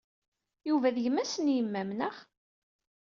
Yuba d gma-s n yemma-m, naɣ?